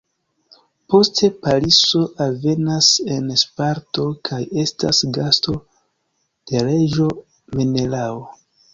Poste Pariso alvenas en Sparto kaj estas gasto de reĝo Menelao.